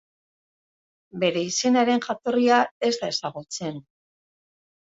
Bere izenaren jatorria ez da ezagutzen.